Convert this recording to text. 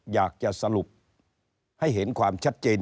อยากจะสรุปให้เห็นความชัดเจน